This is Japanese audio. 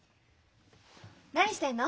何してんの？